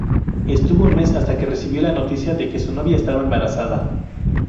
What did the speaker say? Estuvo un mes hasta que recibió la noticia de que su novia estaba embarazada.